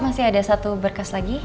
masih ada satu berkas lagi